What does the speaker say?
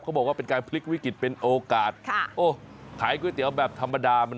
บอกว่าเป็นการพลิกวิกฤตเป็นโอกาสค่ะโอ้ขายก๋วยเตี๋ยวแบบธรรมดามัน